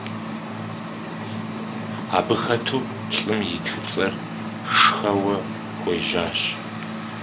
Абы хэту лӀым и тхыцӀэр шхэуэ хуежьащ.